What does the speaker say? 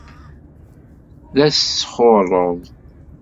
D asxuṛṛeḍ.